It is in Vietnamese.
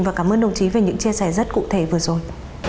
và cảm ơn đồng chí về những chia sẻ rất cụ thể vừa rồi